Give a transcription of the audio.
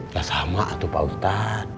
gak sama pak ustadz